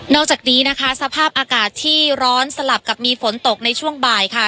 จากนี้นะคะสภาพอากาศที่ร้อนสลับกับมีฝนตกในช่วงบ่ายค่ะ